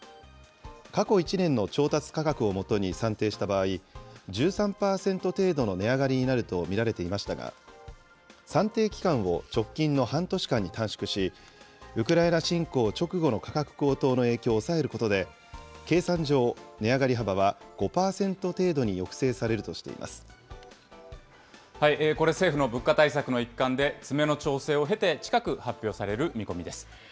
過去１年の調達価格をもとに算定した場合、１３％程度の値上がりになると見られていましたが、算定期間を直近の半年間に短縮し、ウクライナ侵攻直後の価格高騰の影響を抑えることで、計算上、値上がり幅は５％程度に抑制されるこれ、政府の物価対策の一環で、詰めの調整を経て、近く発表される見込みです。